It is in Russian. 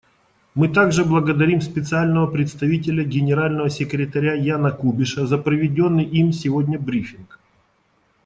Мы также благодарим Специального представителя Генерального секретаря Яна Кубиша за проведенный им сегодня брифинг.